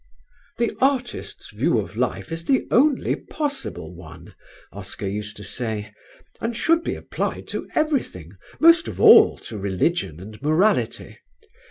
"The artist's view of life is the only possible one," Oscar used to say, "and should be applied to everything, most of all to religion and morality.